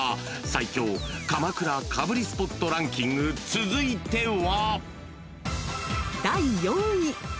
［続いては］